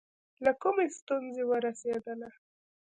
له کومې ستونزې ورسېدله.